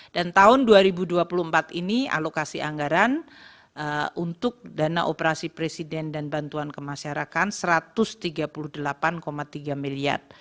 dan tahun dua ribu dua puluh empat ini alokasi anggaran untuk dana operasi presiden dan bantuan kemasyarakatan rp satu ratus tiga puluh delapan tiga miliar